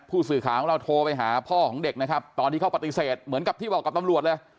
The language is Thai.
ผู้สื่อข่าวของเราโทรไปหาพ่อของเด็กนะครับตอนที่เขาปฏิเสธเหมือนกับที่บอกกับตำรวจเลย